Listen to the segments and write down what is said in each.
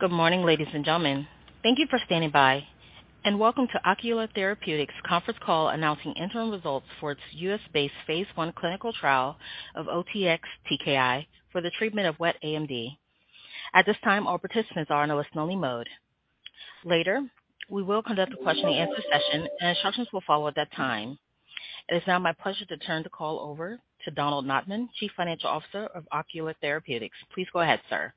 Good morning, ladies and gentlemen. Thank you for standing by and welcome to Ocular Therapeutix conference call announcing interim results for its U.S.-based phase I clinical trial of OTX-TKI for the treatment of Wet AMD. At this time, all participants are in a listen-only mode. Later, we will conduct a question-and-answer session, and instructions will follow at that time. It is now my pleasure to turn the call over to Donald Notman, Chief Financial Officer of Ocular Therapeutix. Please go ahead, sir.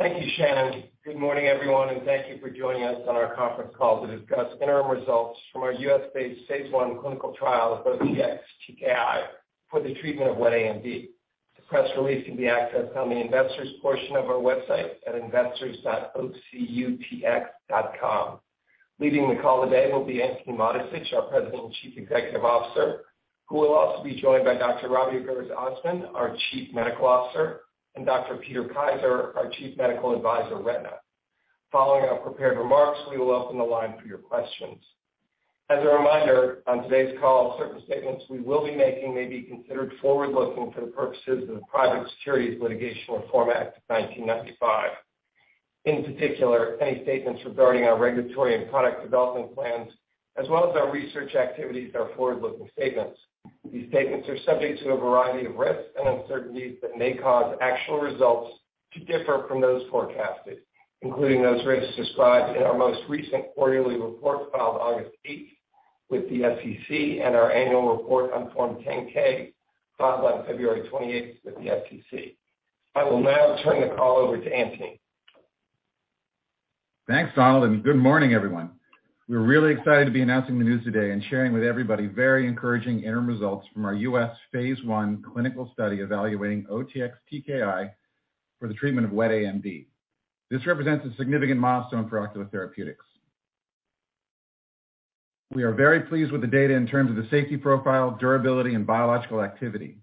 Thank you, Shannon. Good morning, everyone, and thank you for joining us on our conference call to discuss interim results from our U.S.-based phase I clinical trial of OTX-TKI for the treatment of Wet AMD. The press release can be accessed on the investors portion of our website at investors.oculartherapeutix.com. Leading the call today will be Antony Mattessich, our President and Chief Executive Officer, who will also be joined by Dr. Rabia Gurses Ozden, our Chief Medical Officer, and Dr. Peter Kaiser, our Chief Medical Advisor, Retina. Following our prepared remarks, we will open the line for your questions. As a reminder, on today's call, certain statements we will be making may be considered forward-looking for the purposes of the Private Securities Litigation Reform Act of 1995. In particular, any statements regarding our regulatory and product development plans, as well as our research activities are forward-looking statements. These statements are subject to a variety of risks and uncertainties that may cause actual results to differ from those forecasted, including those risks described in our most recent quarterly report filed August 8th with the SEC and our annual report on Form 10-K, filed on February 28th with the SEC. I will now turn the call over to Antony. Thanks, Donald, and good morning, everyone. We're really excited to be announcing the news today and sharing with everybody very encouraging interim results from our U.S. phase I clinical study evaluating OTX-TKI for the treatment of Wet AMD. This represents a significant milestone for Ocular Therapeutix. We are very pleased with the data in terms of the safety profile, durability and biological activity.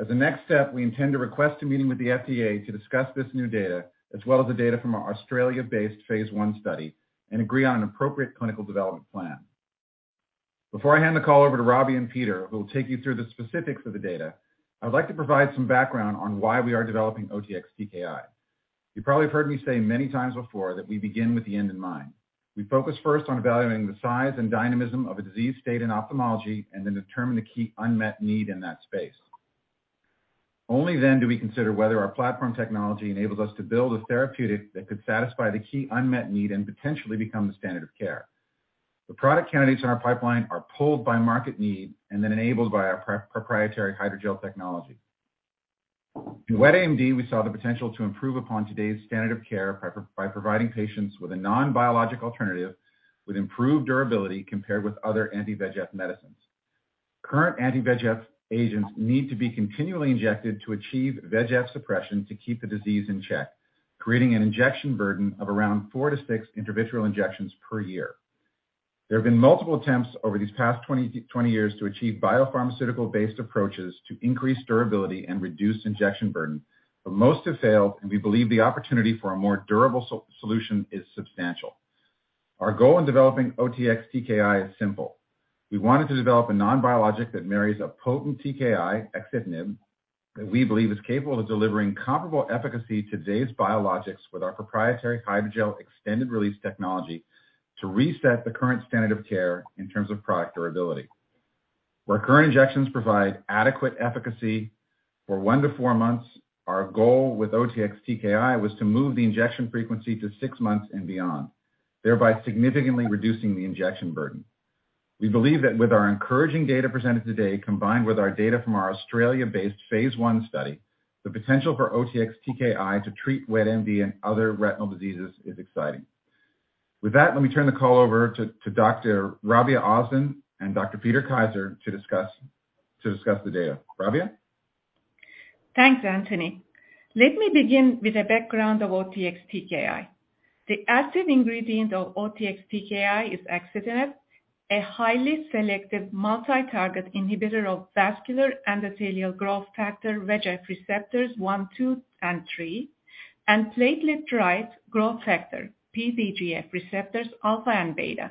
As a next step, we intend to request a meeting with the FDA to discuss this new data, as well as the data from our Australia-based phase I study and agree on an appropriate clinical development plan. Before I hand the call over to Rabia and Peter, who will take you through the specifics of the data, I would like to provide some background on why we are developing OTX-TKI. You probably have heard me say many times before that we begin with the end in mind. We focus first on evaluating the size and dynamism of a disease state in ophthalmology and then determine the key unmet need in that space. Only then do we consider whether our platform technology enables us to build a therapeutic that could satisfy the key unmet need and potentially become the standard of care. The product candidates in our pipeline are pulled by market need and then enabled by our proprietary hydrogel technology. In Wet AMD, we saw the potential to improve upon today's standard of care by providing patients with a non-biological alternative with improved durability compared with other anti-VEGF medicines. Current anti-VEGF agents need to be continually injected to achieve VEGF suppression to keep the disease in check, creating an injection burden of around four to six intravitreal injections per year. There have been multiple attempts over these past 20 years to achieve biopharmaceutical-based approaches to increase durability and reduce injection burden. Most have failed, and we believe the opportunity for a more durable solution is substantial. Our goal in developing OTX-TKI is simple. We wanted to develop a non-biologic that marries a potent TKI, axitinib, that we believe is capable of delivering comparable efficacy to today's biologics with our proprietary hydrogel extended release technology to reset the current standard of care in terms of product durability. Where current injections provide adequate efficacy for one to four months, our goal with OTX-TKI was to move the injection frequency to six months and beyond, thereby significantly reducing the injection burden. We believe that with our encouraging data presented today, combined with our data from our Australia-based phase I study, the potential for OTX-TKI to treat wet NV and other retinal diseases is exciting. With that, let me turn the call over to Dr. Rabia Gurses Ozden and Dr. Peter Kaiser to discuss the data. Rabia? Thanks, Antony. Let me begin with a background of OTX-TKI. The active ingredient of OTX-TKI is axitinib, a highly selective multi-target inhibitor of vascular endothelial growth factor VEGF receptors 1, 2 and 3, and platelet-derived growth factor, PDGF receptors alpha and beta.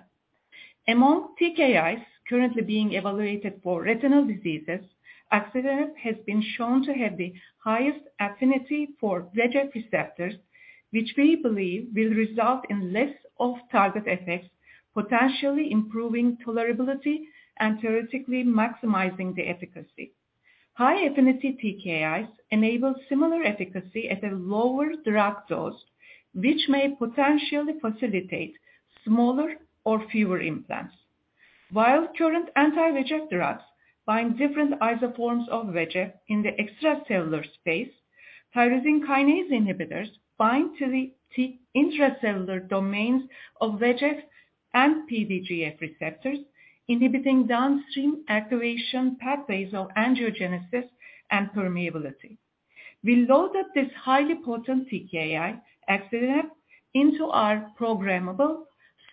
Among TKIs currently being evaluated for retinal diseases, axitinib has been shown to have the highest affinity for VEGF receptors, which we believe will result in less off-target effects, potentially improving tolerability and theoretically maximizing the efficacy. High-affinity TKIs enable similar efficacy at a lower drug dose, which may potentially facilitate smaller or fewer implants. While current anti-VEGF drugs bind different isoforms of VEGF in the extracellular space, tyrosine kinase inhibitors bind to the intracellular domains of VEGF and PDGF receptors, inhibiting downstream activation pathways of angiogenesis and permeability. We loaded this highly potent TKI axitinib into our programmable,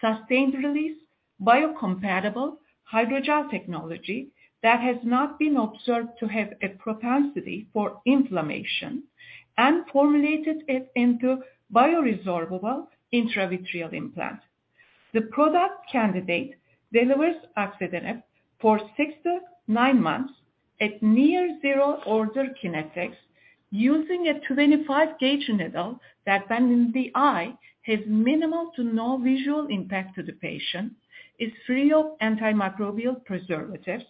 sustained release, biocompatible hydrogel technology that has not been observed to have a propensity for inflammation and formulated it into bioresorbable intravitreal implant. The product candidate delivers axitinib for six to nine months at near zero-order kinetics using a 25-gauge needle that when in the eye has minimal to no visual impact to the patient, is free of antimicrobial preservatives,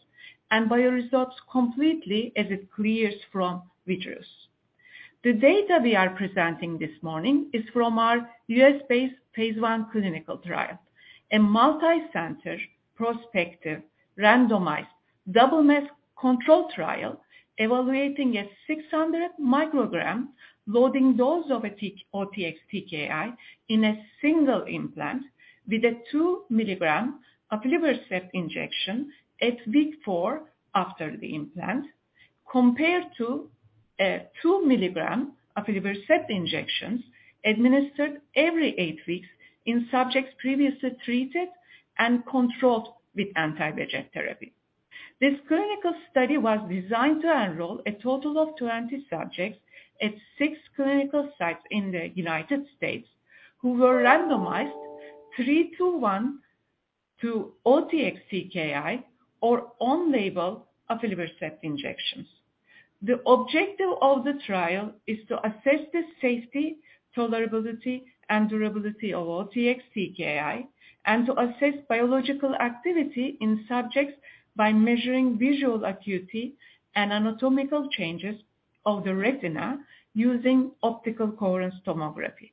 and bioresorbs completely as it clears from vitreous. The data we are presenting this morning is from our U.S.-based phase I clinical trial, a multicenter prospective randomized double-masked controlled trial evaluating a 600-microgram loading dose of a OTX-TKI in a single implant with a 2-mg aflibercept injection at week four after the implant, compared to a 2-mg aflibercept injections administered every eight weeks in subjects previously treated and controlled with anti-VEGF therapy. This clinical study was designed to enroll a total of 20 subjects at six clinical sites in the United States who were randomized three to one to OTX-TKI or on-label aflibercept injections. The objective of the trial is to assess the safety, tolerability, and durability of OTX-TKI and to assess biological activity in subjects by measuring visual acuity and anatomical changes of the retina using optical coherence tomography.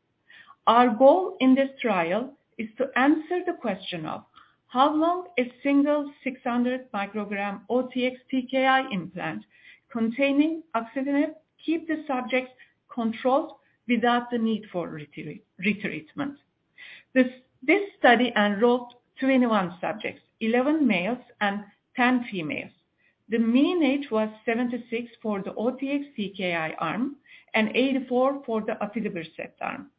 Our goal in this trial is to answer the question of how long a single 600 mcg OTX-TKI implant containing oxedane keep the subject controlled without the need for retreatment. This study enrolled 21 subjects, 11 males and 10 females. The mean age was 76 for the OTX-TKI arm and 84 for the aflibercept arm.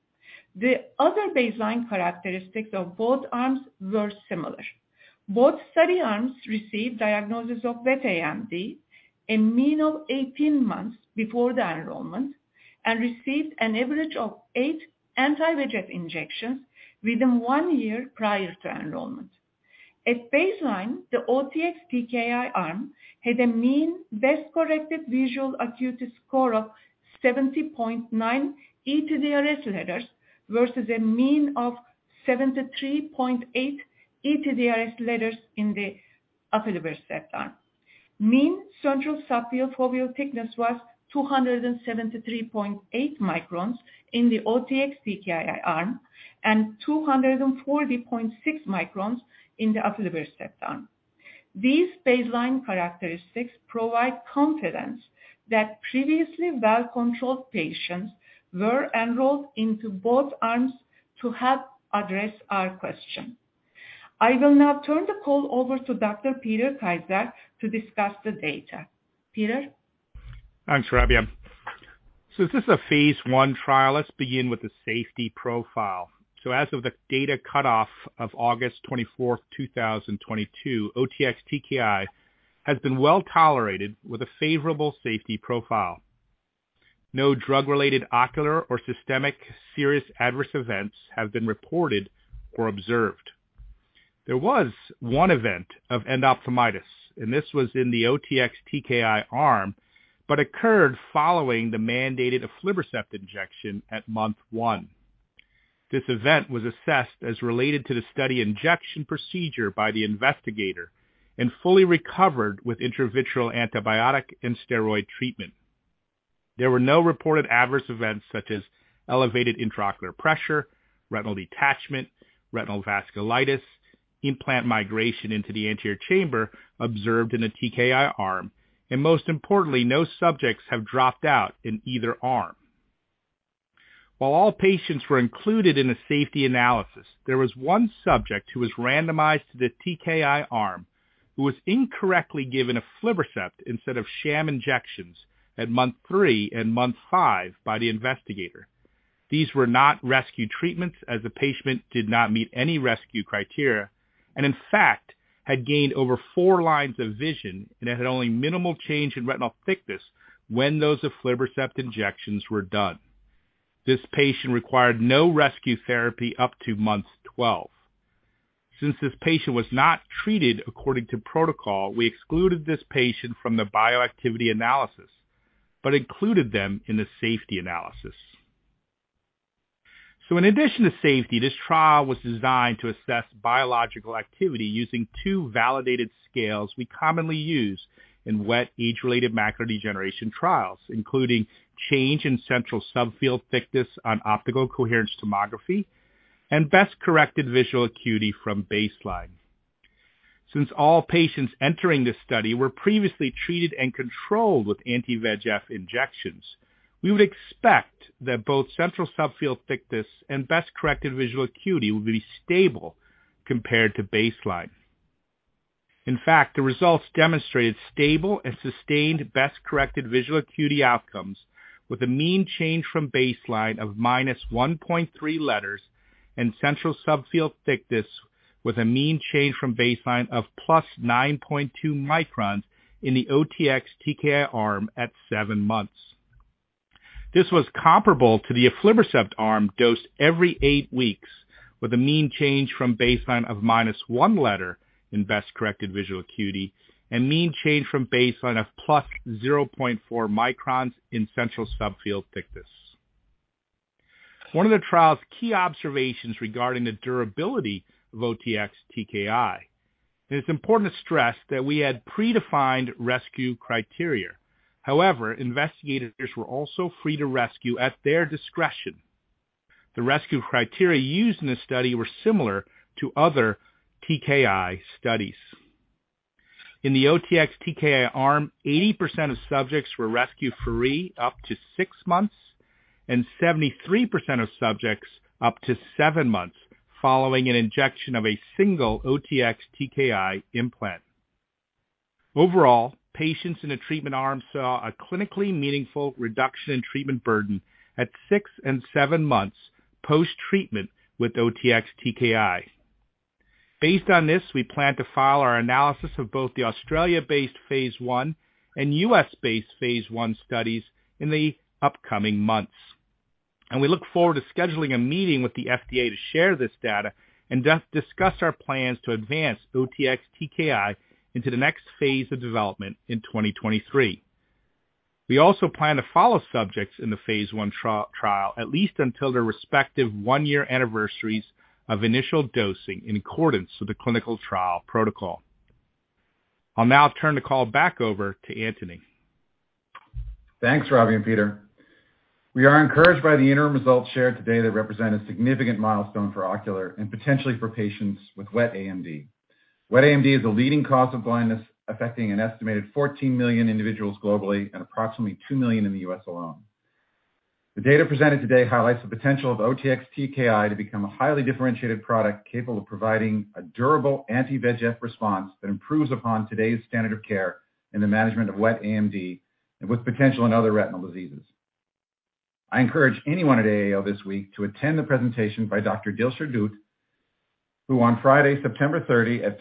The other baseline characteristics of both arms were similar. Both study arms received diagnosis of Wet AMD a mean of 18 months before the enrollment and received an average of eight anti-VEGF injections within one year prior to enrollment. At baseline, the OTX-TKI arm had a mean best-corrected visual acuity score of 70.9 ETDRS letters versus a mean of 73.8 ETDRS letters in the aflibercept arm. Mean central subfield thickness was 273.8 microns in the OTX-TKI arm and 240.6 microns in the aflibercept arm. These baseline characteristics provide confidence that previously well-controlled patients were enrolled into both arms to help address our question. I will now turn the call over to Dr. Peter Kaiser to discuss the data. Peter. Thanks, Rabia. Since this is a phase I trial, let's begin with the safety profile. As of the data cutoff of August 24th, 2022, OTX-TKI has been well-tolerated with a favorable safety profile. No drug-related ocular or systemic serious adverse events have been reported or observed. There was one event of endophthalmitis, and this was in the OTX-TKI arm but occurred following the mandated aflibercept injection at month one. This event was assessed as related to the study injection procedure by the investigator and fully recovered with intravitreal antibiotic and steroid treatment. There were no reported adverse events such as elevated intraocular pressure, retinal detachment, retinal vasculitis, implant migration into the anterior chamber observed in the TKI arm, and most importantly, no subjects have dropped out in either arm. While all patients were included in the safety analysis, there was one subject who was randomized to the TKI arm who was incorrectly given aflibercept instead of sham injections at month three and month five by the investigator. These were not rescue treatments as the patient did not meet any rescue criteria and in fact had gained over four lines of vision and had only minimal change in retinal thickness when those aflibercept injections were done. This patient required no rescue therapy up to month 12. Since this patient was not treated according to protocol, we excluded this patient from the bioactivity analysis, but included them in the safety analysis. In addition to safety, this trial was designed to assess biological activity using two validated scales we commonly use in wet age-related macular degeneration trials, including change in central subfield thickness on optical coherence tomography and best-corrected visual acuity from baseline. Since all patients entering this study were previously treated and controlled with anti-VEGF injections, we would expect that both central subfield thickness and best-corrected visual acuity would be stable compared to baseline. In fact, the results demonstrated stable and sustained best-corrected visual acuity outcomes with a mean change from baseline of -1.3 letters and central subfield thickness with a mean change from baseline of +9.2 microns in the OTX-TKI arm at 7 months. This was comparable to the aflibercept arm dosed every 8 weeks, with a mean change from baseline of -1 letter in best-corrected visual acuity and mean change from baseline of +0.4 microns in central subfield thickness. One of the trial's key observations regarding the durability of OTX-TKI, and it's important to stress that we had predefined rescue criteria. However, investigators were also free to rescue at their discretion. The rescue criteria used in this study were similar to other TKI studies. In the OTX-TKI arm, 80% of subjects were rescue-free up to six months and 73% of subjects up to seven months following an injection of a single OTX-TKI implant. Overall, patients in the treatment arm saw a clinically meaningful reduction in treatment burden at six and seven months post-treatment with OTX-TKI. Based on this, we plan to file our analysis of both the Australia-based phase I and U.S.-based phase I studies in the upcoming months. We look forward to scheduling a meeting with the FDA to share this data and discuss our plans to advance OTX-TKI into the next phase of development in 2023. We also plan to follow subjects in the phase I trial at least until their respective one-year anniversaries of initial dosing in accordance with the clinical trial protocol. I'll now turn the call back over to Antony. Thanks, Rabia and Peter. We are encouraged by the interim results shared today that represent a significant milestone for Ocular and potentially for patients with Wet AMD. Wet AMD is a leading cause of blindness, affecting an estimated 14 million individuals globally and approximately 2 million in the U.S. alone. The data presented today highlights the potential of OTX-TKI to become a highly differentiated product capable of providing a durable anti-VEGF response that improves upon today's standard of care in the management of Wet AMD and with potential in other retinal diseases. I encourage anyone at AAO this week to attend the presentation by Dr. Dilsher Dhoot, who on Friday, September 30 at 3:29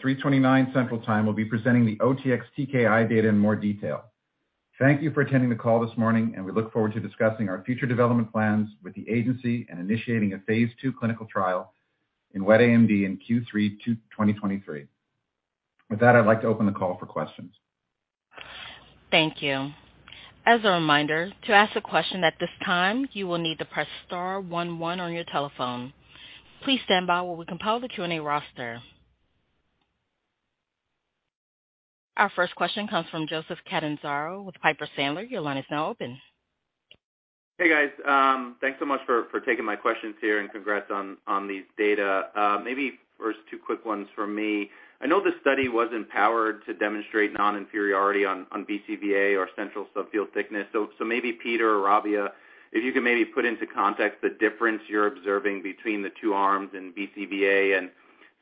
P.M. Central Time will be presenting the OTX-TKI data in more detail. Thank you for attending the call this morning, and we look forward to discussing our future development plans with the agency and initiating a phase I clinical trial in Wet AMD in Q3 2023. With that, I'd like to open the call for questions. Thank you. As a reminder, to ask a question at this time, you will need to press star one one on your telephone. Please stand by while we compile the Q&A roster. Our first question comes from Joseph Catanzaro with Piper Sandler. Your line is now open. Hey, guys. Thanks so much for taking my questions here and congrats on these data. Maybe first two quick ones from me. I know this study wasn't powered to demonstrate non-inferiority on BCVA or central subfield thickness. Maybe Peter or Rabia, if you could maybe put into context the difference you're observing between the two arms in BCVA and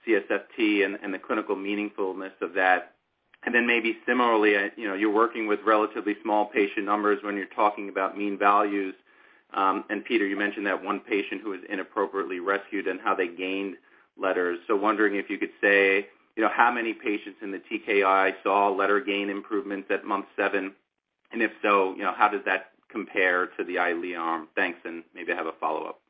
CSFT and the clinical meaningfulness of that. Then maybe similarly, you know, you're working with relatively small patient numbers when you're talking about mean values. Peter, you mentioned that one patient who was inappropriately rescued and how they gained letters. Wondering if you could say, you know, how many patients in the TKI saw letter gain improvements at month seven, and if so, you know, how does that compare to the Eylea arm? Thanks, and maybe I have a follow-up.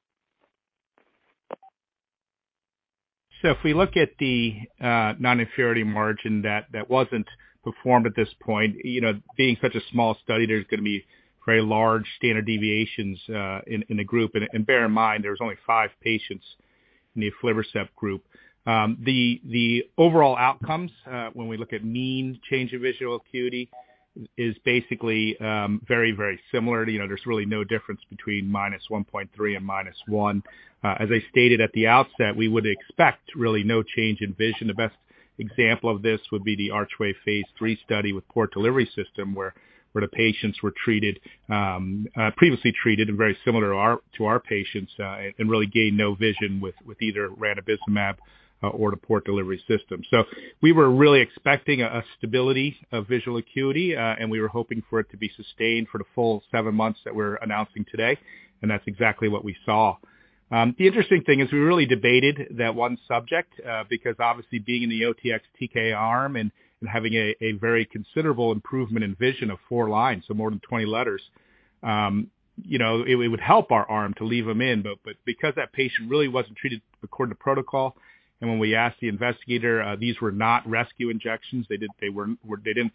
If we look at the non-inferiority margin that wasn't performed at this point, you know, being such a small study, there's gonna be very large standard deviations in the group. Bear in mind, there was only five patients in the aflibercept group. The overall outcomes, when we look at mean change in visual acuity is basically very similar. You know, there's really no difference between -1.3 and -1. As I stated at the outset, we would expect really no change in vision. The best example of this would be the Archway Phase III study with port delivery system where the patients were previously treated and very similar to our patients and really gained no vision with either ranibizumab or the port delivery system. We were really expecting a stability of visual acuity, and we were hoping for it to be sustained for the full seven months that we're announcing today, and that's exactly what we saw. The interesting thing is we really debated that one subject, because obviously being in the OTX-TKI arm and having a very considerable improvement in vision of four lines, so more than 20 letters, you know, it would help our arm to leave him in. Because that patient really wasn't treated according to protocol, and when we asked the investigator, these were not rescue injections. They didn't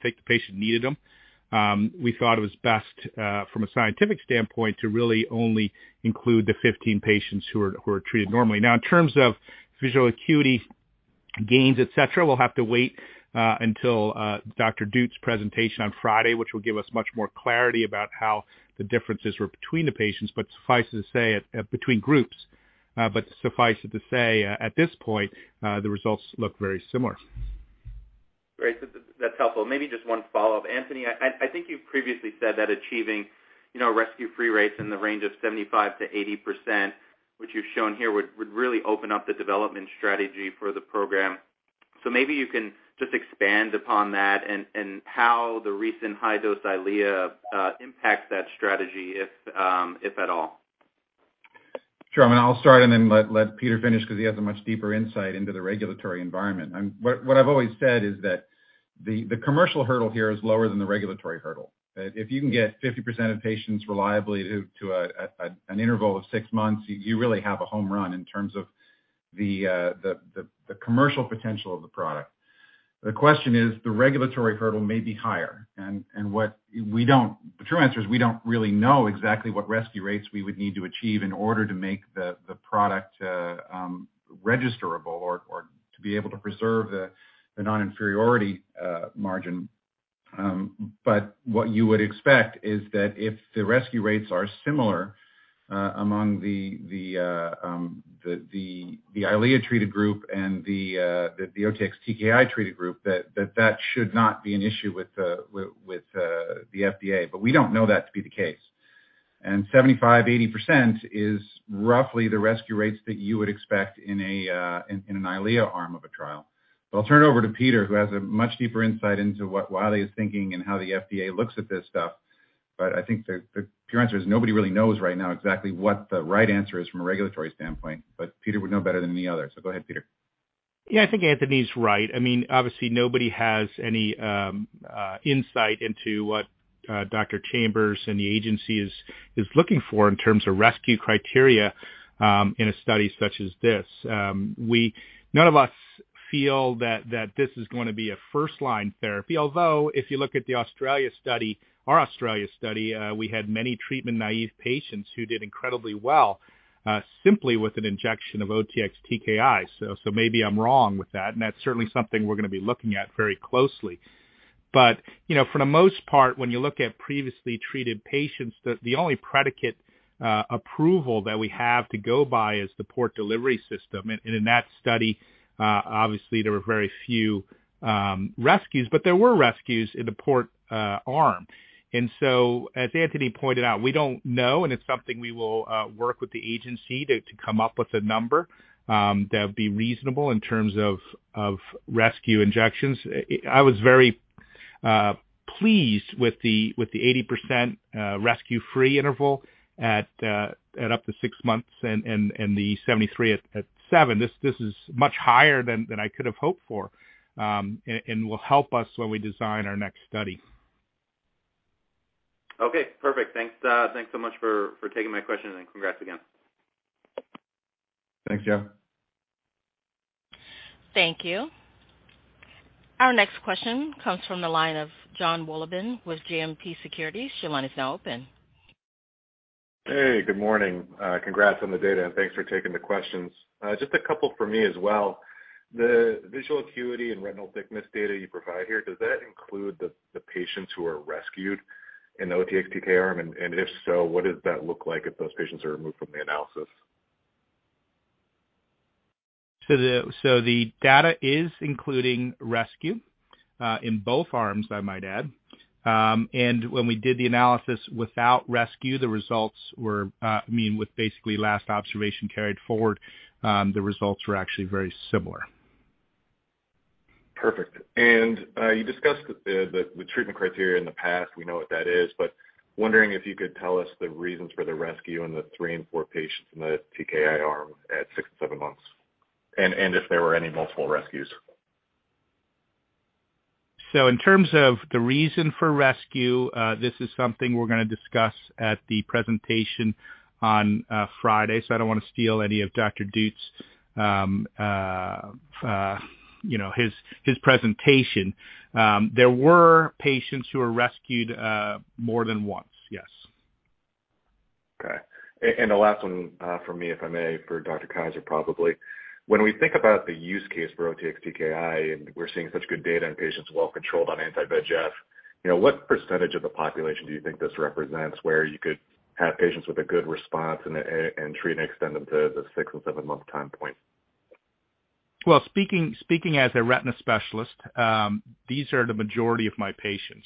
think the patient needed them. We thought it was best, from a scientific standpoint to really only include the 15 patients who were treated normally. Now, in terms of visual acuity gains, et cetera, we'll have to wait until Dr. Dhoot's presentation on Friday, which will give us much more clarity about how the differences were between the patients, but suffice it to say, at this point, the results look very similar. Great. That's helpful. Maybe just one follow-up. Antony, I think you've previously said that achieving, you know, rescue-free rates in the range of 75%-80%, which you've shown here, would really open up the development strategy for the program. Maybe you can just expand upon that and how the recent high-dose Eylea impacts that strategy if at all. Sure. I mean, I'll start and then let Peter finish because he has a much deeper insight into the regulatory environment. What I've always said is that the commercial hurdle here is lower than the regulatory hurdle. If you can get 50% of patients reliably to an interval of six months, you really have a home run in terms of the commercial potential of the product. The question is the regulatory hurdle may be higher. The true answer is we don't really know exactly what rescue rates we would need to achieve in order to make the product registerable or to be able to preserve the non-inferiority margin. What you would expect is that if the rescue rates are similar among the Eylea-treated group and the OTX-TKI-treated group, that should not be an issue with the FDA, but we don't know that to be the case. 75%-80% is roughly the rescue rates that you would expect in an Eylea arm of a trial. I'll turn it over to Peter, who has a much deeper insight into what Wiley is thinking and how the FDA looks at this stuff. I think the true answer is nobody really knows right now exactly what the right answer is from a regulatory standpoint. Peter would know better than any other. Go ahead, Peter. Yeah. I think Antony's right. I mean, obviously nobody has any insight into what Dr. Chambers and the agency is looking for in terms of rescue criteria in a study such as this. None of us feel that this is gonna be a first-line therapy. Although, if you look at the Australia study, our Australia study, we had many treatment naive patients who did incredibly well simply with an injection of OTX-TKI. So maybe I'm wrong with that, and that's certainly something we're gonna be looking at very closely. But, you know, for the most part, when you look at previously treated patients, the only predicate approval that we have to go by is the port delivery system. In that study, obviously, there were very few rescues, but there were rescues in the port arm. As Antony pointed out, we don't know, and it's something we will work with the agency to come up with a number that would be reasonable in terms of rescue injections. I was very pleased with the 80% rescue-free interval at up to six months and the 73 at seven. This is much higher than I could have hoped for and will help us when we design our next study. Okay, perfect. Thanks so much for taking my questions and congrats again. Thanks, Joe. Thank you. Our next question comes from the line of Jonathan Wolleben with JMP Securities. Your line is now open. Hey, good morning. Congrats on the data, and thanks for taking the questions. Just a couple for me as well. The visual acuity and retinal thickness data you provide here, does that include the patients who are rescued in the OTX-TKI arm? And if so, what does that look like if those patients are removed from the analysis? The data is including rescue in both arms, I might add. When we did the analysis without rescue, the results were, I mean, with basically last observation carried forward, the results were actually very similar. Perfect. You discussed the treatment criteria in the past. We know what that is, but wondering if you could tell us the reasons for the rescue in the three and four patients in the TKI arm at six and seven months, and if there were any multiple rescues? In terms of the reason for rescue, this is something we're gonna discuss at the presentation on Friday, so I don't want to steal any of Dr. Dhoot's, you know, his presentation. There were patients who were rescued more than once. Yes. The last one, for me, if I may, for Dr. Kaiser, probably. When we think about the use case for OTX-TKI, and we're seeing such good data in patients well controlled on anti-VEGF, you know, what percentage of the population do you think this represents where you could have patients with a good response and treat and extend them to the six- and seven-month time point? Well, speaking as a retina specialist, these are the majority of my patients.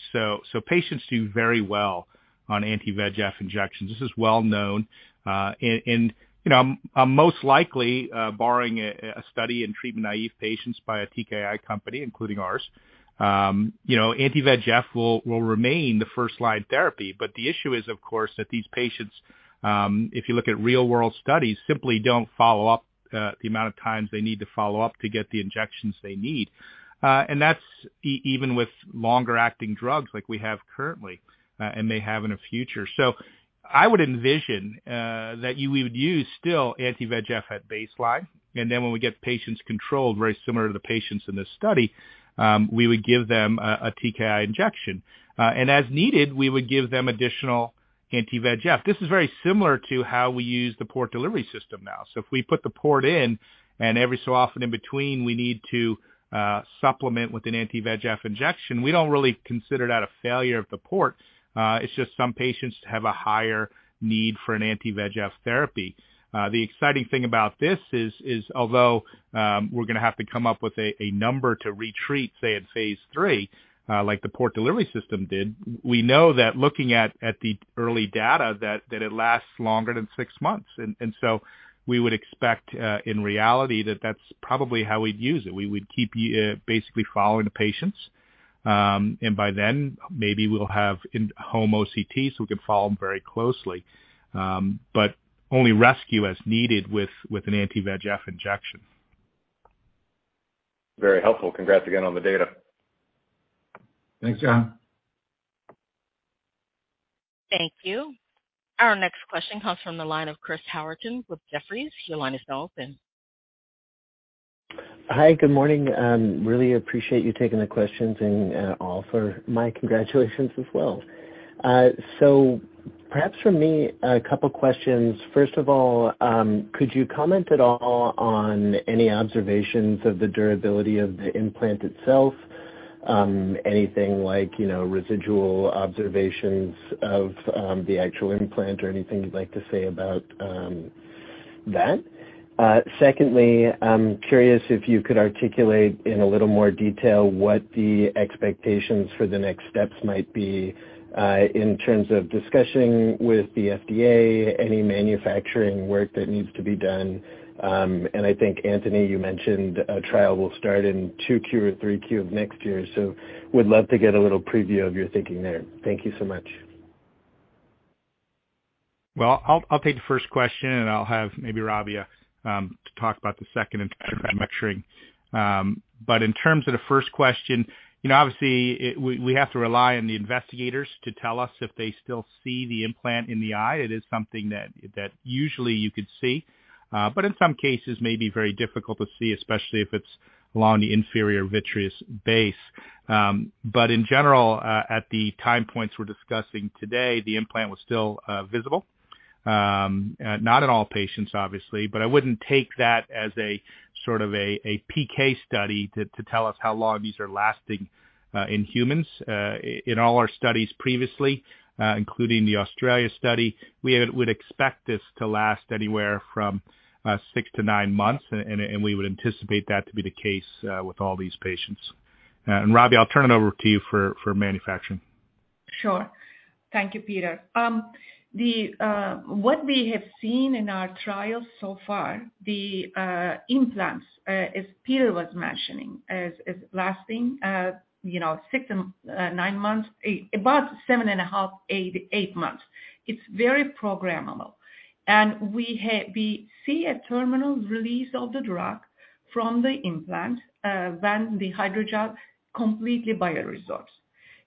Patients do very well on anti-VEGF injections. This is well known. You know, most likely, barring a study in treatment naive patients by a TKI company, including ours, you know, anti-VEGF will remain the first line therapy. The issue is, of course, that these patients, if you look at real-world studies, simply don't follow up the amount of times they need to follow up to get the injections they need. That's even with longer acting drugs like we have currently, and may have in the future. I would envision that you would use still anti-VEGF at baseline, and then when we get patients controlled very similar to the patients in this study, we would give them a TKI injection. As needed, we would give them additional anti-VEGF. This is very similar to how we use the port delivery system now. If we put the port in and every so often in between, we need to supplement with an anti-VEGF injection, we don't really consider that a failure of the port. It's just some patients have a higher need for an anti-VEGF therapy. The exciting thing about this is although we're gonna have to come up with a number to retreat, say at phase III, like the port delivery system did, we know that looking at the early data that it lasts longer than six months. We would expect in reality that that's probably how we'd use it. We would keep basically following the patients. By then, maybe we'll have in-home OCTs, so we can follow them very closely. Only rescue as needed with an anti-VEGF injection. Very helpful. Congrats again on the data. Thanks, John. Thank you. Our next question comes from the line of Chris Howerton with Jefferies. Your line is now open. Hi. Good morning. Really appreciate you taking the questions and offer my congratulations as well. Perhaps from me, a couple questions. First of all, could you comment at all on any observations of the durability of the implant itself? Anything like, you know, residual observations of the actual implant or anything you'd like to say about that? Secondly, I'm curious if you could articulate in a little more detail what the expectations for the next steps might be in terms of discussing with the FDA any manufacturing work that needs to be done. I think, Antony, you mentioned a trial will start in 2Q or 3Q of next year. Would love to get a little preview of your thinking there. Thank you so much. Well, I'll take the first question, and I'll have maybe Rabia to talk about the second in terms of manufacturing. In terms of the first question, you know, obviously we have to rely on the investigators to tell us if they still see the implant in the eye. It is something that usually you could see, but in some cases may be very difficult to see, especially if it's along the inferior vitreous base. In general, at the time points we're discussing today, the implant was still visible. Not in all patients obviously, but I wouldn't take that as a sort of a PK study to tell us how long these are lasting in humans. In all our studies previously, including the Australia study, we would expect this to last anywhere from six to nine months, and we would anticipate that to be the case with all these patients. Rabia, I'll turn it over to you for manufacturing. Sure. Thank you, Peter. What we have seen in our trials so far, the implants as Peter was mentioning is lasting, you know, six to nine months, about seven and a half to eight months. It's very programmable. We see a terminal release of the drug from the implant when the hydrogel completely bioresorbs.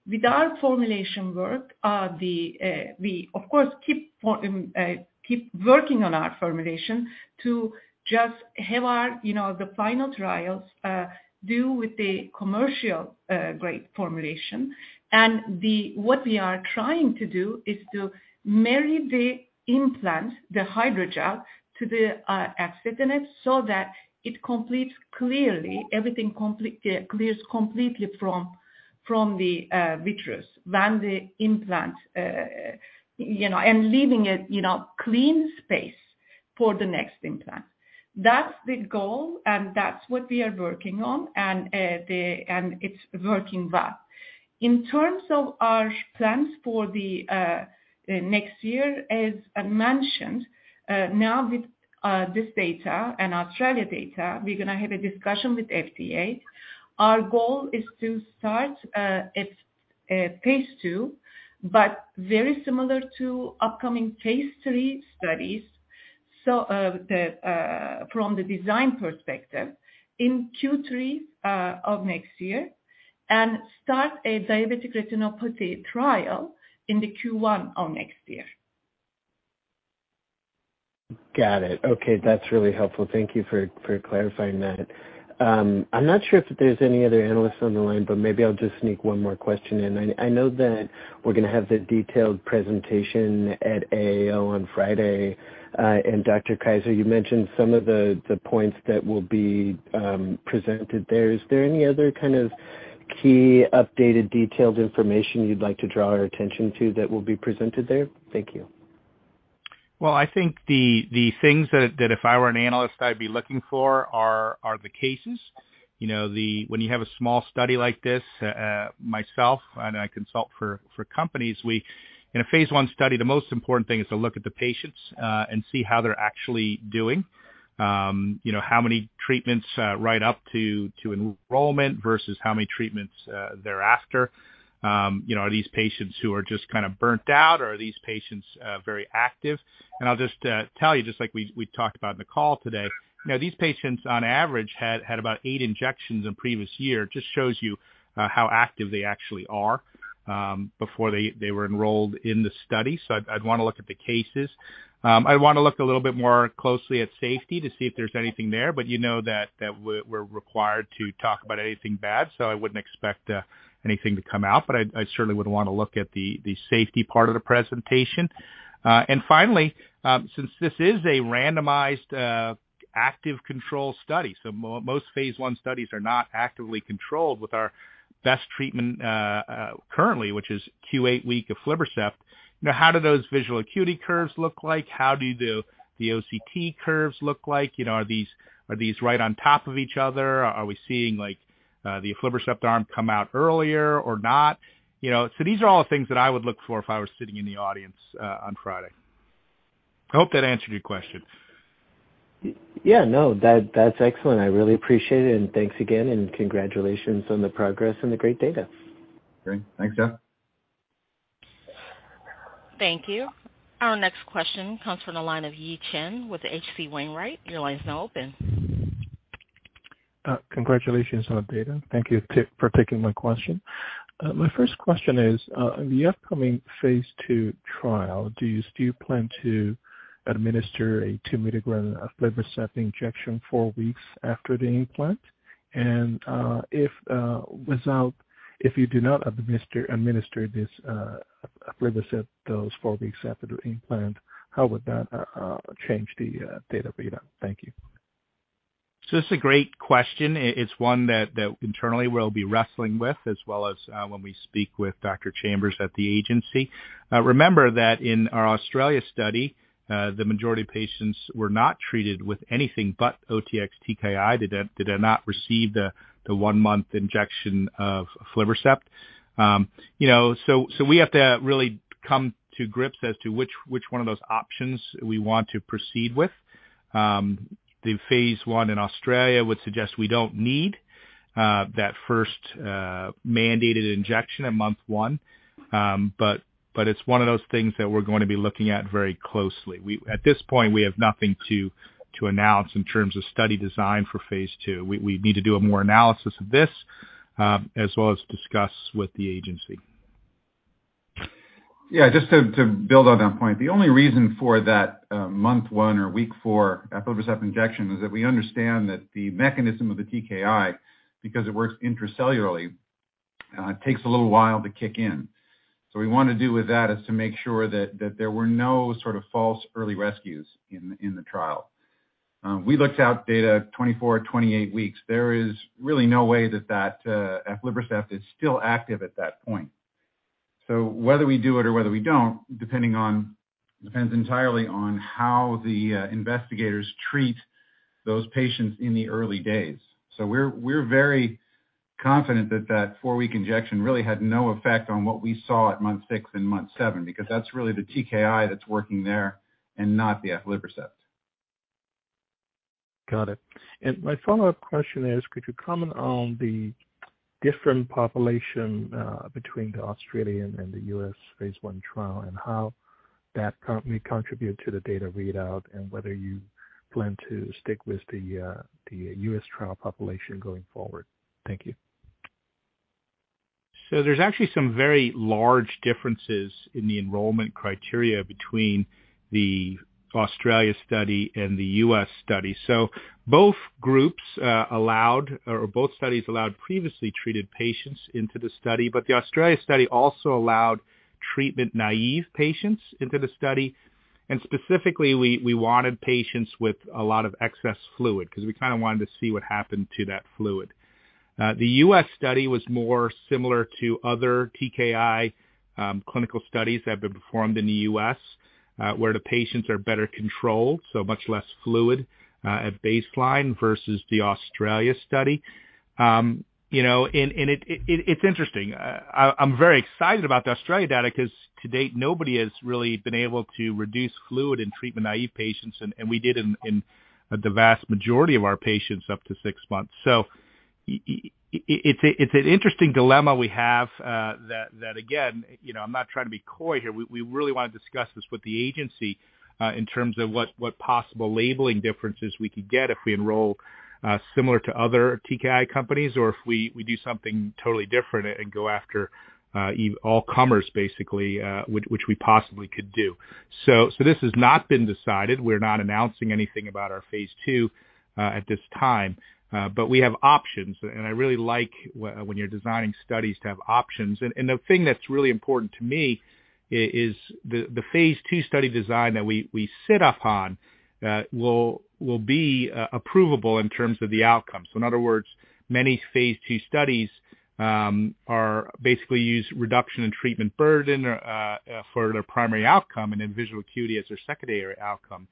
With our formulation work, we of course keep working on our formulation to just have our, you know, the final trials due with the commercial grade formulation. What we are trying to do is to marry the implant, the hydrogel, to the axitinib so that it completely clears everything completely from the vitreous when the implant you know and leaving it you know clean space for the next implant. That's the goal, and that's what we are working on. It's working well. In terms of our plans for the next year, as I mentioned, now with this data and Australian data, we're gonna have a discussion with FDA. Our goal is to start a phase II, but very similar to upcoming phase III studies. From the design perspective in Q3 of next year and start a diabetic retinopathy trial in the Q1 of next year. Got it. Okay. That's really helpful. Thank you for clarifying that. I'm not sure if there's any other analysts on the line, but maybe I'll just sneak one more question in. I know that we're gonna have the detailed presentation at AAO on Friday. Dr. Kaiser, you mentioned some of the points that will be presented there. Is there any other kind of key updated detailed information you'd like to draw our attention to that will be presented there? Thank you. Well, I think the things that if I were an analyst I'd be looking for are the cases. You know, when you have a small study like this, myself and I consult for companies, we in a phase I study, the most important thing is to look at the patients and see how they're actually doing. You know, how many treatments right up to enrollment versus how many treatments thereafter. You know, are these patients who are just kind of burnt out or are these patients very active? I'll just tell you, just like we talked about in the call today, you know, these patients on average had about 8 injections in previous year. Just shows you how active they actually are before they were enrolled in the study. I'd wanna look at the cases. I'd wanna look a little bit more closely at safety to see if there's anything there. You know that we're required to talk about anything bad, so I wouldn't expect anything to come out, but I'd certainly wanna look at the safety part of the presentation. Finally, since this is a randomized active control study, most phase I studies are not actively controlled with our best treatment currently, which is Q8 week of aflibercept. You know, how do those visual acuity curves look like? How do the OCT curves look like? You know, are these right on top of each other? Are we seeing like the aflibercept arm come out earlier or not? You know, these are all things that I would look for if I were sitting in the audience, on Friday. I hope that answered your question. Yeah. No, that's excellent. I really appreciate it, and thanks again and congratulations on the progress and the great data. Great. Thanks, Chris. Thank you. Our next question comes from the line of Yi Chen with H.C. Wainwright. Your line is now open. Congratulations on the data. Thank you for taking my question. My first question is, in the upcoming phase II trial, do you plan to administer a 2 mg aflibercept injection four weeks after the implant? If you do not administer this aflibercept dose four weeks after the implant, how would that change the data readout? Thank you. It's a great question. It's one that internally we'll be wrestling with as well as when we speak with Dr. Chambers at the agency. Remember that in our Australia study, the majority of patients were not treated with anything but OTX-TKI. They did not receive the one-month injection of aflibercept. You know, so we have to really come to grips as to which one of those options we want to proceed with. The phase I in Australia would suggest we don't need that first mandated injection at month one. It's one of those things that we're going to be looking at very closely. At this point, we have nothing to announce in terms of study design for phase II. We need to do a more analysis of this, as well as discuss with the agency. Yeah, just to build on that point, the only reason for that month one or week four aflibercept injection is that we understand that the mechanism of the TKI, because it works intracellularly, takes a little while to kick in. What we want to do with that is to make sure that there were no sort of false early rescues in the trial. We looked at data 24, 28 weeks. There is really no way that aflibercept is still active at that point. Whether we do it or whether we don't depends entirely on how the investigators treat those patients in the early days. We're very confident that four-week injection really had no effect on what we saw at month six and month seven, because that's really the TKI that's working there and not the aflibercept. Got it. My follow-up question is, could you comment on the different population between the Australian and the US phase I trial and how that may contribute to the data readout, and whether you plan to stick with the U.S. trial population going forward? Thank you. There's actually some very large differences in the enrollment criteria between the Australia study and the U.S. study. Both studies allowed previously treated patients into the study, but the Australia study also allowed treatment-naive patients into the study. Specifically, we wanted patients with a lot of excess fluid because we kinda wanted to see what happened to that fluid. The U.S. study was more similar to other TKI clinical studies that have been performed in the U.S., where the patients are better controlled, so much less fluid at baseline versus the Australia study. You know, it's interesting. I'm very excited about the Australia data because to date, nobody has really been able to reduce fluid in treatment-naive patients, and we did in the vast majority of our patients up to six months. It's an interesting dilemma we have, again, you know, I'm not trying to be coy here. We really wanna discuss this with the agency in terms of what possible labeling differences we could get if we enroll similar to other TKI companies or if we do something totally different and go after all comers basically, which we possibly could do. This has not been decided. We're not announcing anything about our phase II at this time. We have options, and I really like when you're designing studies to have options. The thing that's really important to me is the phase II study design that we sit on will be approvable in terms of the outcome. In other words, many phase II studies basically use reduction in treatment burden for their primary outcome and then visual acuity as their secondary outcome.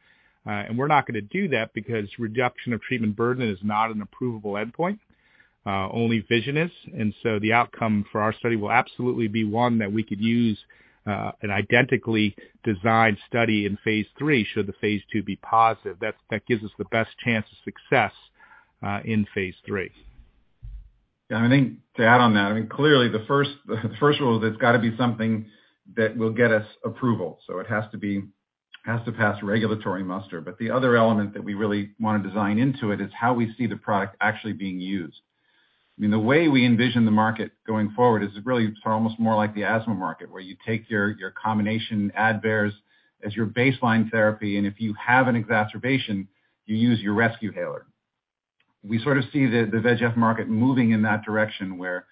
We're not gonna do that because reduction of treatment burden is not an approvable endpoint, only vision is. The outcome for our study will absolutely be one that we could use for an identically designed study in phase III should the phase II be positive. That gives us the best chance of success in phase III. I think to add on that, I mean, clearly the first rule, there's gotta be something that will get us approval. It has to be, has to pass regulatory muster. The other element that we really wanna design into it is how we see the product actually being used. I mean, the way we envision the market going forward is really for almost more like the asthma market, where you take your combination Advair as your baseline therapy, and if you have an exacerbation, you use your rescue inhaler. We sort of see the VEGF market moving in that direction where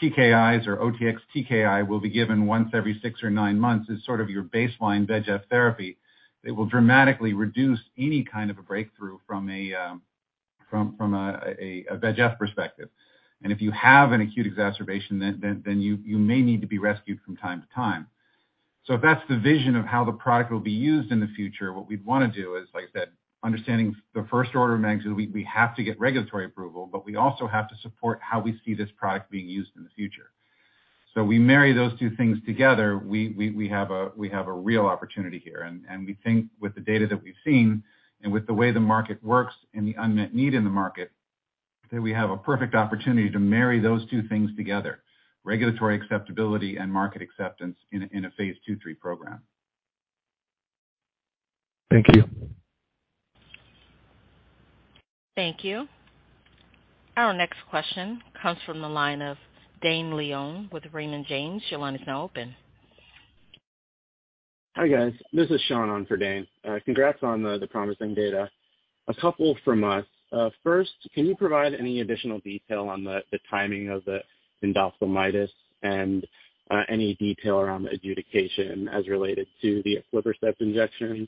TKIs or OTX-TKI will be given once every six or nine months as sort of your baseline VEGF therapy. It will dramatically reduce any kind of a breakthrough from a VEGF perspective. If you have an acute exacerbation, then you may need to be rescued from time to time. If that's the vision of how the product will be used in the future, what we'd wanna do is, like I said, understanding the first order of magnitude, we have to get regulatory approval, but we also have to support how we see this product being used in the future. We marry those two things together, we have a real opportunity here. We think with the data that we've seen and with the way the market works and the unmet need in the market that we have a perfect opportunity to marry those two things together, regulatory acceptability and market acceptance in a phase II/III program. Thank you. Thank you. Our next question comes from the line of Dane Leone with Raymond James. Your line is now open. Hi, guys. This is Sean on for Dane. Congrats on the promising data. A couple from us. First, can you provide any additional detail on the timing of the endophthalmitis and any detail around the adjudication as related to the aflibercept injection?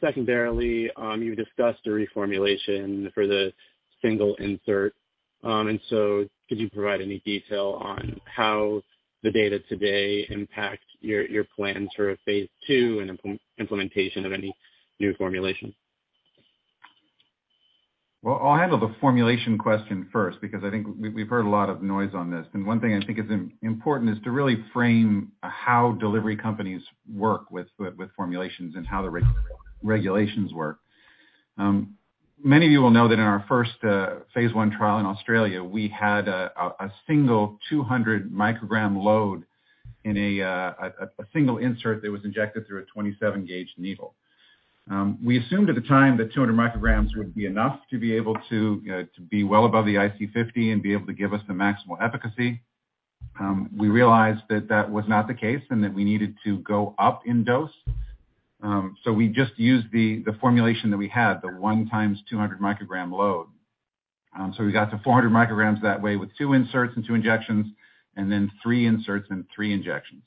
Secondarily, you discussed a reformulation for the single insert. Could you provide any detail on how the data today impacts your plans for a phase II and implementation of any new formulation? Well, I'll handle the formulation question first because I think we've heard a lot of noise on this. One thing I think is important is to really frame how delivery companies work with formulations and how the regulations work. Many of you will know that in our first phase I trial in Australia, we had a single 200-mg load in a single insert that was injected through a 27-gauge needle. We assumed at the time that 200 mg would be enough to be well above the IC50 and be able to give us the maximal efficacy. We realized that that was not the case, and that we needed to go up in dose. We just used the formulation that we had, the 1x 200 mg load. We got to 400 mg that way with two inserts and two injections and then three inserts and three injections.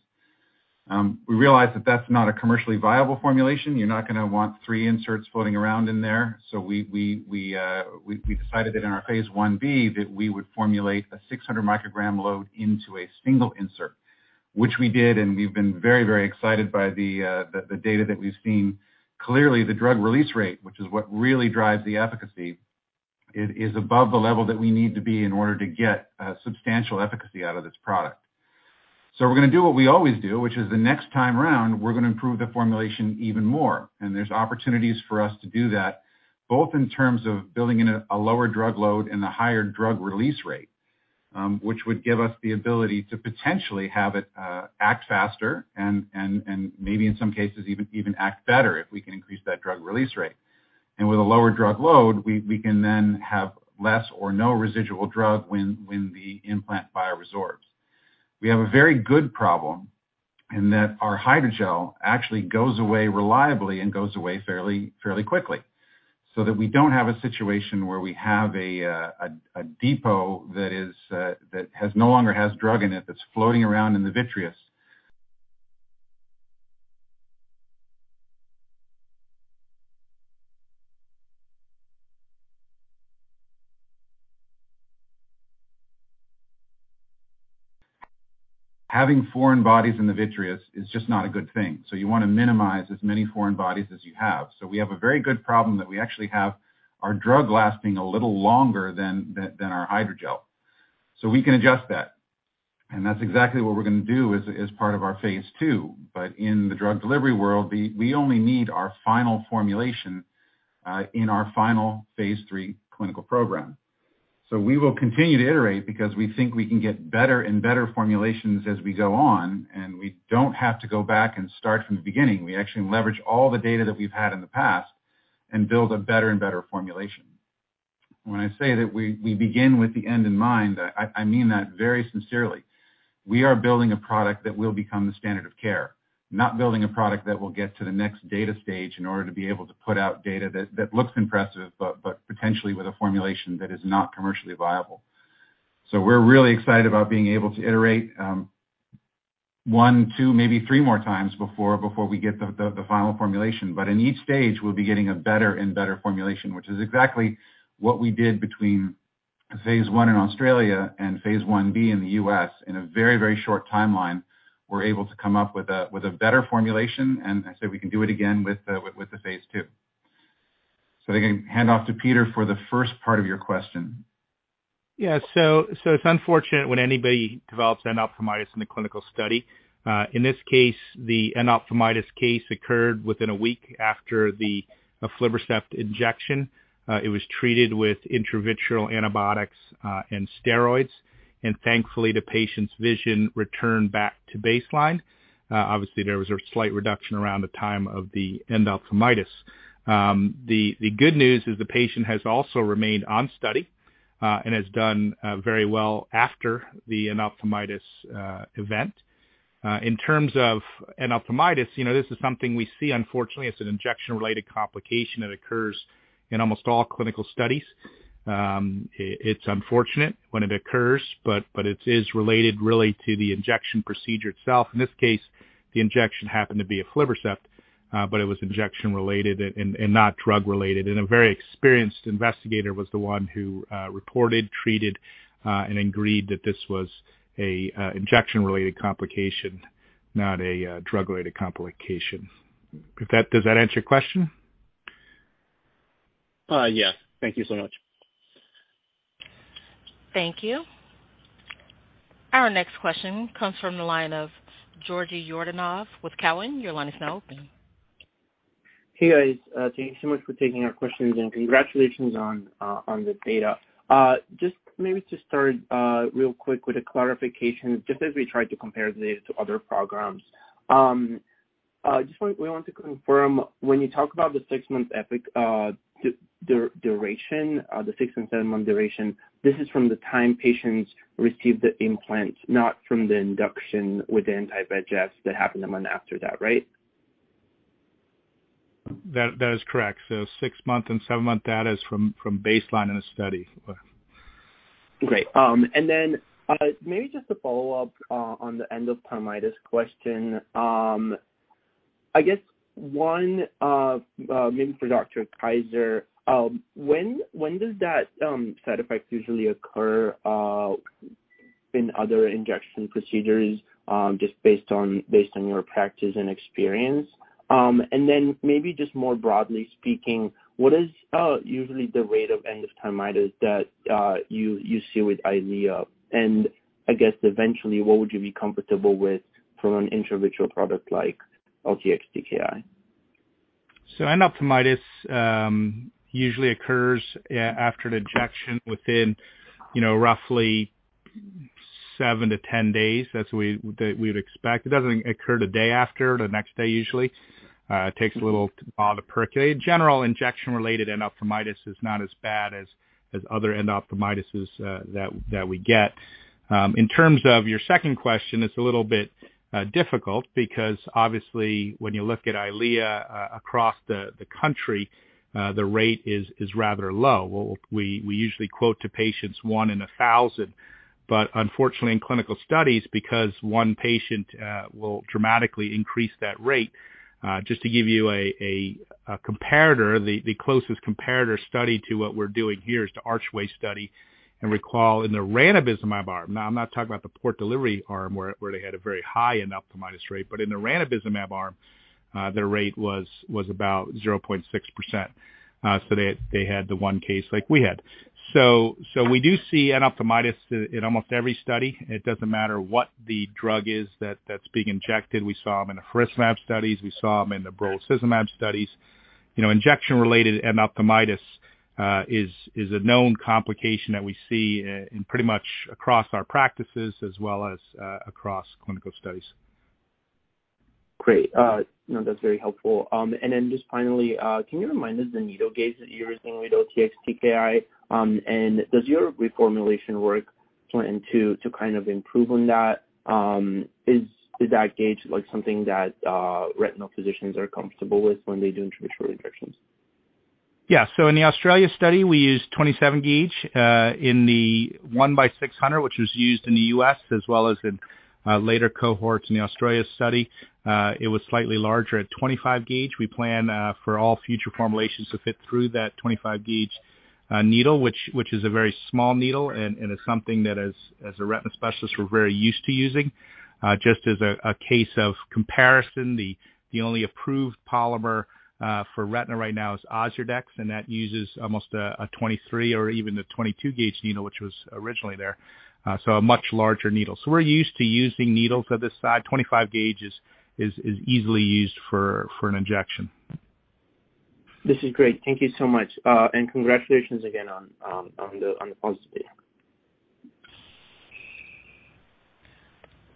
We realized that that's not a commercially viable formulation. You're not gonna want three inserts floating around in there. We decided that in our phase I-B that we would formulate a 600 mg load into a single insert, which we did, and we've been very excited by the data that we've seen. Clearly, the drug release rate, which is what really drives the efficacy, is above the level that we need to be in order to get a substantial efficacy out of this product. We're gonna do what we always do, which is the next time around, we're gonna improve the formulation even more. There's opportunities for us to do that, both in terms of building in a lower drug load and a higher drug release rate, which would give us the ability to potentially have it act faster and maybe in some cases even act better if we can increase that drug release rate. With a lower drug load, we can then have less or no residual drug when the implant bioresorbs. We have a very good problem in that our hydrogel actually goes away reliably and goes away fairly quickly, so that we don't have a situation where we have a depot that no longer has drug in it that's floating around in the vitreous. Having foreign bodies in the vitreous is just not a good thing. You wanna minimize as many foreign bodies as you have. We have a very good problem that we actually have our drug lasting a little longer than our hydrogel. We can adjust that. That's exactly what we're gonna do as part of our phase II. In the drug delivery world, we only need our final formulation in our final phase III clinical program. We will continue to iterate because we think we can get better and better formulations as we go on, and we don't have to go back and start from the beginning. We actually leverage all the data that we've had in the past and build a better and better formulation. When I say that we begin with the end in mind, I mean that very sincerely. We are building a product that will become the standard of care, not building a product that will get to the next data stage in order to be able to put out data that looks impressive, but potentially with a formulation that is not commercially viable. We're really excited about being able to iterate, one, two, maybe three more times before we get the final formulation. In each stage, we'll be getting a better and better formulation, which is exactly what we did between phase I in Australia and phase I-B in the U.S. In a very, very short timeline, we're able to come up with a better formulation, and I say we can do it again with the phase II. I think I hand off to Peter for the first part of your question. Yeah. It's unfortunate when anybody develops endophthalmitis in a clinical study. In this case, the endophthalmitis case occurred within a week after the aflibercept injection. It was treated with intravitreal antibiotics and steroids. Thankfully, the patient's vision returned back to baseline. Obviously, there was a slight reduction around the time of the endophthalmitis. The good news is the patient has also remained on study and has done very well after the endophthalmitis event. In terms of endophthalmitis, you know, this is something we see unfortunately. It's an injection-related complication that occurs in almost all clinical studies. It's unfortunate when it occurs, but it is related really to the injection procedure itself. In this case, the injection happened to be aflibercept, but it was injection-related and not drug-related. A very experienced investigator was the one who reported, treated, and agreed that this was a injection-related complication, not a drug-related complication. Does that answer your question? Yes. Thank you so much. Thank you. Our next question comes from the line of Georgi Yordanov with Cowen. Your line is now open. Hey, guys. Thank you so much for taking our questions and congratulations on the data. Just maybe to start, real quick with a clarification, just as we try to compare this to other programs. We want to confirm when you talk about the six-month PK duration, the six and seven-month duration, this is from the time patients received the implant, not from the induction with the anti-VEGF that happened a month after that, right? That is correct. The six-month and seven-month data is from baseline in the study. Great. Maybe just to follow up on the endophthalmitis question. I guess maybe for Dr. Kaiser, when does that side effects usually occur in other injection procedures, just based on your practice and experience? Maybe just more broadly speaking, what is usually the rate of endophthalmitis that you see with Eylea? I guess eventually, what would you be comfortable with from an intravitreal product like OTX-TKI? Endophthalmitis usually occurs after an injection within, you know, roughly seven-10 days. That's what we'd expect. It doesn't occur the day after, the next day usually. It takes a little while to percolate. General injection-related endophthalmitis is not as bad as other endophthalmitis that we get. In terms of your second question, it's a little bit difficult because obviously when you look at Eylea across the country, the rate is rather low. We usually quote to patients one in 1,000. But unfortunately in clinical studies, because one patient will dramatically increase that rate. Just to give you a comparator, the closest comparator study to what we're doing here is the Archway study. Recall in the ranibizumab arm. Now, I'm not talking about the port delivery arm where they had a very high endophthalmitis rate, but in the ranibizumab arm, their rate was about 0.6%. They had the one case like we had. We do see endophthalmitis in almost every study. It doesn't matter what the drug is that's being injected. We saw them in faricimab studies. We saw them in the brolucizumab studies. You know, injection-related endophthalmitis is a known complication that we see in pretty much across our practices as well as across clinical studies. Great. No, that's very helpful. Then just finally, can you remind us the needle gauge that you're using with OTX-TKI? Does your reformulation work plan to kind of improve on that? Is that gauge like something that retinal physicians are comfortable with when they do intravitreal injections? Yeah. In the Australia study, we used 27-gauge in the one by 600, which was used in the U.S. as well as in later cohorts in the Australia study. It was slightly larger at 25-gauge. We plan for all future formulations to fit through that 25-gauge needle, which is a very small needle and it's something that as a retina specialist, we're very used to using. Just as a case of comparison, the only approved polymer for retina right now is Ozurdex, and that uses almost a 23 or even the 22-gauge needle, which was originally there, so a much larger needle. We're used to using needles of this size. 25-gauge is easily used for an injection. This is great. Thank you so much. Congratulations again on the positive data.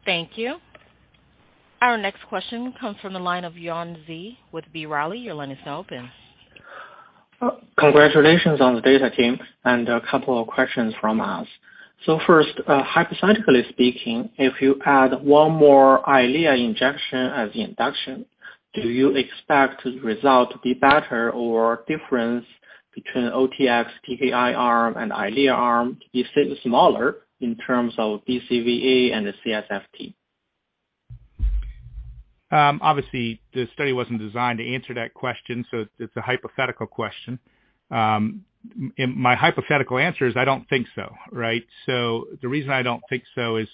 Thank you. Our next question comes from the line of Yuan Zhi with B. Riley. Your line is now open. Congratulations on the data team, and a couple of questions from us. First, hypothetically speaking, if you add one more Eylea injection as the induction, do you expect the result to be better or difference between OTX-TKI arm and Eylea arm to be smaller in terms of BCVA and the CSFT? Obviously, the study wasn't designed to answer that question, so it's a hypothetical question. My hypothetical answer is I don't think so, right? The reason I don't think so is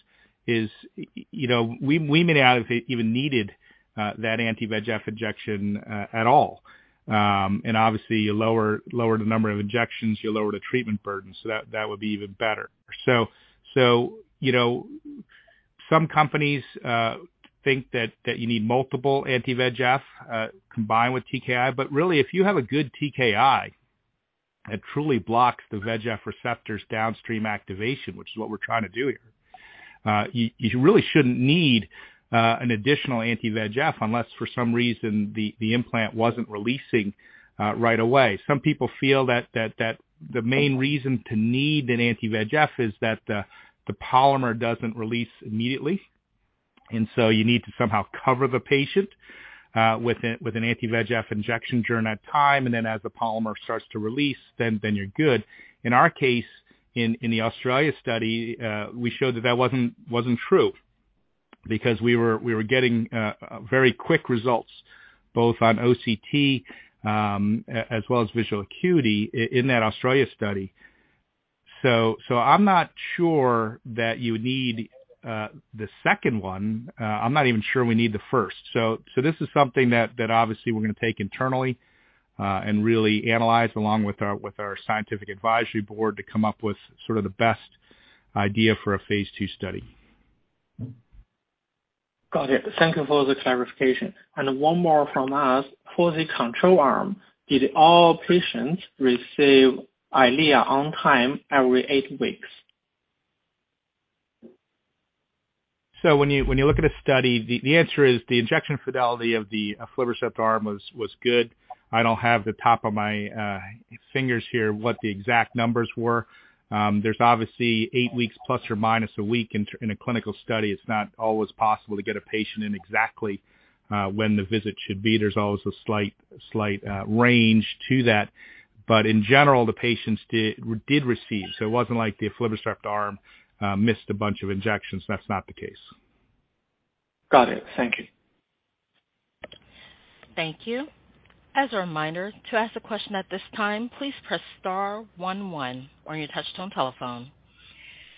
you know, we may not have even needed that anti-VEGF injection at all. Obviously you lower the number of injections, you lower the treatment burden, that would be even better. You know, some companies think that you need multiple anti-VEGF combined with TKI, but really, if you have a good TKI that truly blocks the VEGF receptor's downstream activation, which is what we're trying to do here, you really shouldn't need an additional anti-VEGF unless for some reason the implant wasn't releasing right away. Some people feel that the main reason to need an anti-VEGF is that the polymer doesn't release immediately, and so you need to somehow cover the patient with an anti-VEGF injection during that time, and then as the polymer starts to release, then you're good. In our case, in the Australia study, we showed that that wasn't true because we were getting very quick results both on OCT as well as visual acuity in that Australia study. I'm not sure that you need the second one. I'm not even sure we need the first. This is something that obviously we're gonna take internally, and really analyze along with our scientific advisory board to come up with sort of the best idea for a phase II study. Got it. Thank you for the clarification. One more from us. For the control arm, did all patients receive Eylea on time every eight weeks? When you look at a study, the answer is the injection fidelity of the aflibercept arm was good. I don't have the exact numbers off the top of my head. There's obviously eight weeks ±1 week in a clinical study. It's not always possible to get a patient in exactly when the visit should be. There's always a slight range to that. But in general, the patients did receive. It wasn't like the aflibercept arm missed a bunch of injections. That's not the case. Got it. Thank you. Thank you. As a reminder, to ask a question at this time, please press star one one on your touch tone telephone.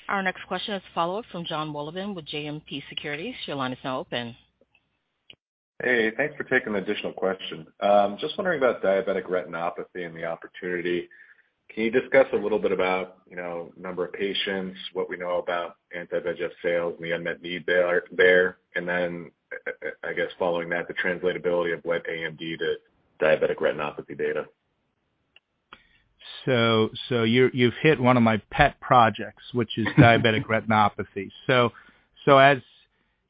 Our next question is follow-up from Jonathan Wolleben with JMP Securities. Your line is now open. Hey, thanks for taking the additional question. Just wondering about diabetic retinopathy and the opportunity. Can you discuss a little bit about, you know, number of patients, what we know about anti-VEGF sales, the unmet need there, and then I guess following that, the translatability of Wet AMD to diabetic retinopathy data. You've hit one of my pet projects, which is diabetic retinopathy.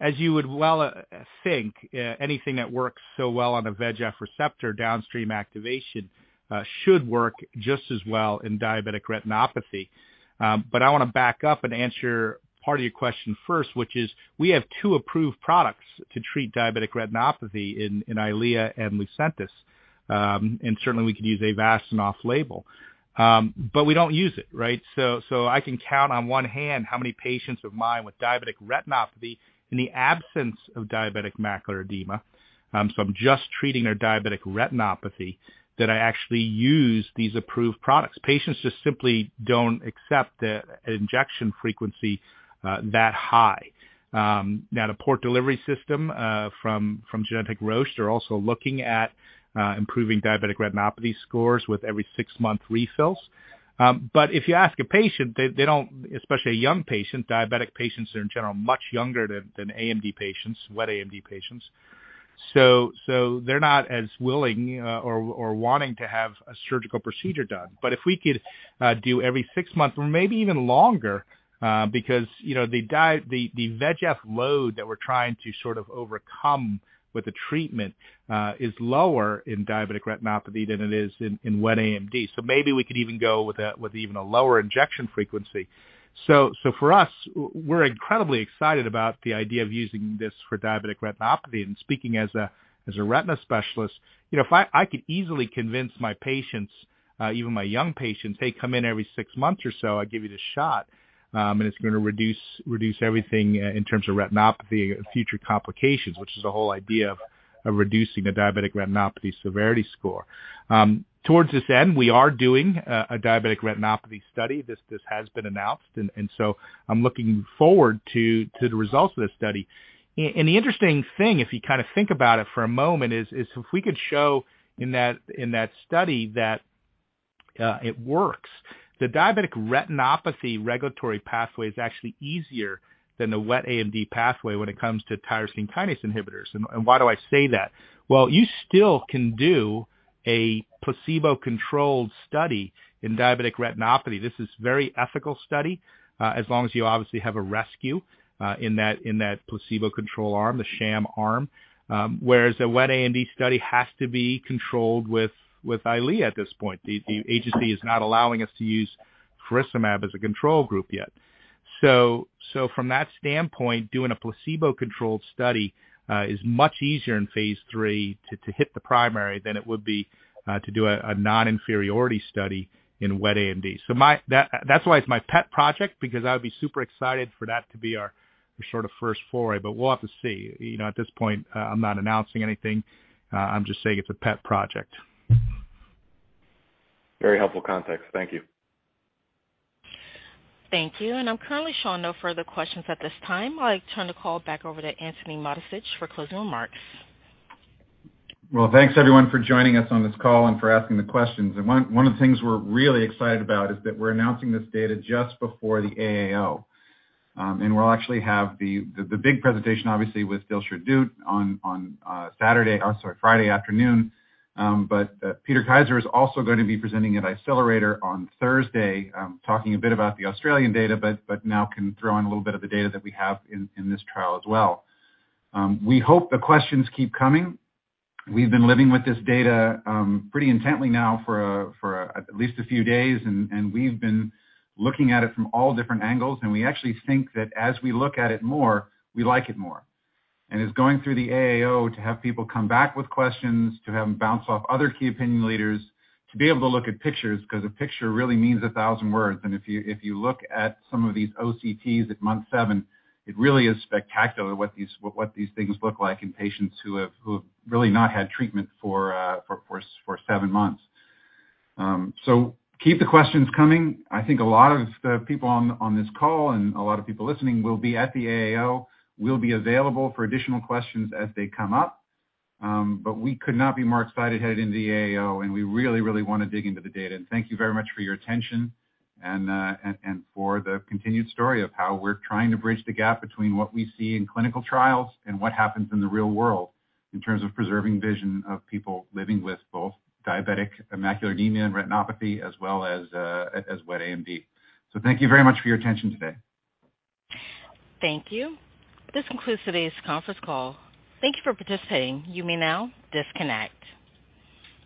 As you would well think, anything that works so well on a VEGF receptor downstream activation should work just as well in diabetic retinopathy. But I wanna back up and answer part of your question first, which is we have two approved products to treat diabetic retinopathy in Eylea and Lucentis. And certainly we could use Avastin off label. But we don't use it, right? I can count on one hand how many patients of mine with diabetic retinopathy in the absence of diabetic macular edema, so I'm just treating their diabetic retinopathy, that I actually use these approved products. Patients just simply don't accept the injection frequency that high. Now the Port Delivery System from Genentech, Roche, they're also looking at improving diabetic retinopathy scores with every six-month refills. But if you ask a patient, they don't, especially a young patient, diabetic patients are in general much younger than AMD patients, Wet AMD patients. So they're not as willing or wanting to have a surgical procedure done. But if we could do every six months or maybe even longer, because you know, the VEGF load that we're trying to sort of overcome with the treatment is lower in diabetic retinopathy than it is in Wet AMD. So maybe we could even go with even a lower injection frequency. For us, we're incredibly excited about the idea of using this for diabetic retinopathy and speaking as a retina specialist, you know, if I could easily convince my patients, even my young patients, hey, come in every six months or so, I'll give you the shot, and it's gonna reduce everything in terms of retinopathy, future complications, which is the whole idea of reducing the diabetic retinopathy severity score. Towards this end, we are doing a diabetic retinopathy study. This has been announced. I'm looking forward to the results of this study. The interesting thing, if you kinda think about it for a moment, is if we could show in that study that it works, the diabetic retinopathy regulatory pathway is actually easier than the Wet AMD pathway when it comes to tyrosine kinase inhibitors. Why do I say that? Well, you still can do a placebo-controlled study in diabetic retinopathy. This is very ethical study, as long as you obviously have a rescue in that placebo control arm, the sham arm. Whereas a Wet AMD study has to be controlled with Eylea at this point. The agency is not allowing us to use faricimab as a control group yet. From that standpoint, doing a placebo-controlled study is much easier in phase III to hit the primary than it would be to do a non-inferiority study in Wet AMD. That's why it's my pet project because I would be super excited for that to be our sort of first foray, but we'll have to see. You know, at this point, I'm not announcing anything. I'm just saying it's a pet project. Very helpful context. Thank you. Thank you. I'm currently showing no further questions at this time. I'll turn the call back over to Antony Mattessich for closing remarks. Well, thanks everyone for joining us on this call and for asking the questions. One of the things we're really excited about is that we're announcing this data just before the AAO. We'll actually have the big presentation obviously with Dilshad Dhoot on Saturday, or sorry, Friday afternoon. Peter Kaiser is also gonna be presenting at Eyecelerator on Thursday, talking a bit about the Australian data, but now can throw in a little bit of the data that we have in this trial as well. We hope the questions keep coming. We've been living with this data pretty intently now for at least a few days, and we've been looking at it from all different angles, and we actually think that as we look at it more, we like it more. It's going through the AAO to have people come back with questions, to have them bounce off other key opinion leaders, to be able to look at pictures, 'cause a picture really means 1,000 words. If you look at some of these OCTs at month seven, it really is spectacular what these things look like in patients who have really not had treatment for seven months. So keep the questions coming. I think a lot of the people on this call and a lot of people listening will be at the AAO. We'll be available for additional questions as they come up. But we could not be more excited headed into the AAO, and we really wanna dig into the data. Thank you very much for your attention and for the continued story of how we're trying to bridge the gap between what we see in clinical trials and what happens in the real world in terms of preserving vision of people living with both diabetic macular edema and retinopathy, as well as Wet AMD. Thank you very much for your attention today. Thank you. This concludes today's conference call. Thank you for participating. You may now disconnect.